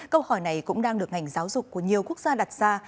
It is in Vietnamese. câu hỏi này cũng đang được ngành giáo dục của nhiều quốc gia đặt ra